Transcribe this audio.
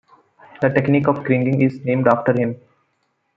The technique of kriging is named after him.